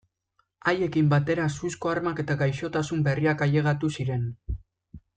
Haiekin batera suzko armak eta gaixotasun berriak ailegatu ziren.